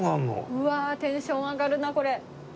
うわあテンション上がるなこれ。